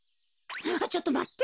ちょっとまって。